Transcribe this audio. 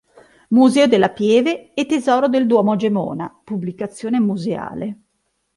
Museo della Pieve e Tesoro del Duomo Gemona, Pubblicazione museale